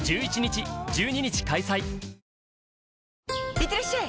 いってらっしゃい！